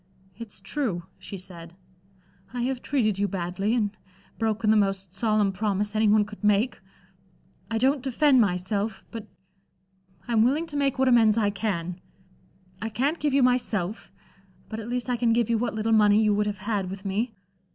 "It's true," she said. "I have treated you badly, and broken the most solemn promise any one could make. I don't defend myself; but I'm willing to make what amends I can. I can't give you myself, but at least I can give you what little money you would have had with me.